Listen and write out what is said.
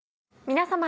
皆様。